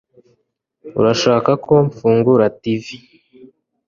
Urashaka ko mfungura TV